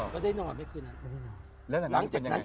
ก็ได้นอนทั้งที่นั้น